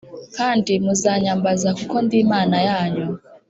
Kandi muzanyambaza kuko ndi imana yanyu